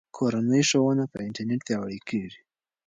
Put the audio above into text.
کورنۍ ښوونه په انټرنیټ پیاوړې کیږي.